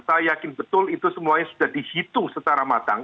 saya yakin betul itu semuanya sudah dihitung secara matang